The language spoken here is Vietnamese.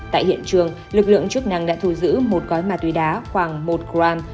tại hiện trường lực lượng chức năng đã thu giữ một gói ma túy đá khoảng một gram